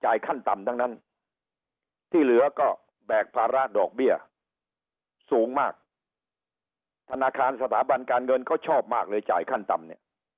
ขั้นต่ำทั้งนั้นที่เหลือก็แบกภาระดอกเบี้ยสูงมากธนาคารสถาบันการเงินเขาชอบมากเลยจ่ายขั้นต่ำเนี่ย